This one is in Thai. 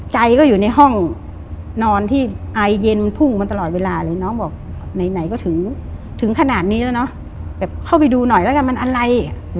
ใจก็อยู่ในห้องนอนที่ไอเย็นพุ่งกว่างตลอดเวลาเลยน้องบอกในไหนก็ถึงขนาดนี้แล้วเข้าไปดูหน่อยละกันมันอะไร